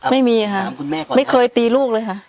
ไม่มีค่ะไม่เคยตีลูกเลยค่ะ